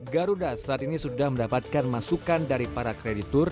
garuda saat ini sudah mendapatkan masukan dari para kreditur